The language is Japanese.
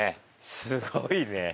すごいね。